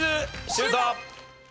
シュート！